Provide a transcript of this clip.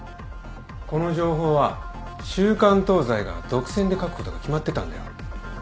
この情報は『週刊東西』が独占で書くことが決まってたんだよ。